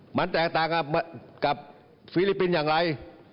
มันแตกต่างกับฟิลิปปินส์อย่างไร